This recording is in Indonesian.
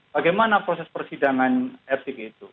bagaimana proses persidangan etik itu